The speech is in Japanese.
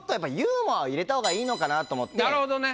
なるほどね。